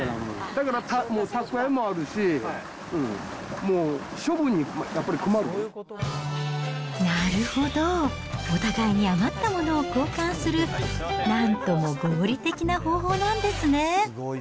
だからもう、蓄えもあるし、もうなるほど、お互いに余ったものを交換する、なんとも合理的な方法なんですね。